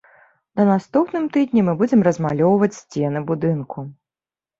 На наступным тыдні мы будзем размалёўваць сцены будынку.